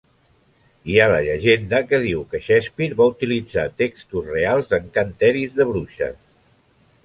Hi ha la llegenda que diu que Shakespeare va utilitzar textos reals d'encanteris de bruixes.